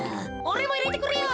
おれもいれてくれよ。